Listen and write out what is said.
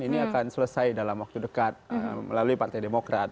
ini akan selesai dalam waktu dekat melalui partai demokrat